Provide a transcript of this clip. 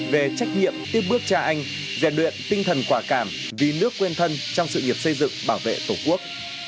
về trách nhiệm tiếp bước cha anh rèn luyện tinh thần quả cảm vì nước quên thân trong sự nghiệp xây dựng bảo vệ tổ quốc